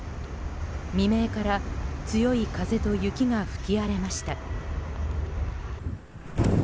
未明から強い風と雪が吹き荒れました。